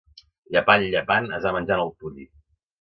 Llepant, llepant, es va menjar el pollí.